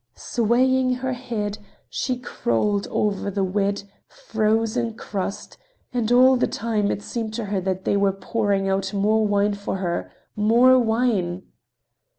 Swaying her head, she crawled over the wet, frozen crust, and all the time it seemed to her that they were pouring out more wine for her, more wine!